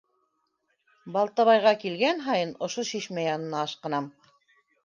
Балтабайға килгән һайын ошо шишмә янына ашҡынам.